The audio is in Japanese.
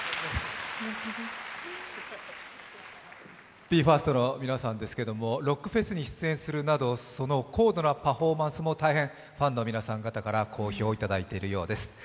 ＢＥ：ＦＩＲＳＴの皆さんですがロックフェスに出演するなどその高度なパフォーマンスも大変ファンの皆さん方から好評をいただいているようです。